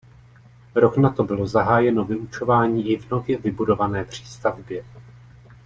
Rok nato bylo zahájeno vyučování i v nově vybudované přístavbě.